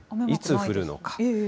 いつ降るのか。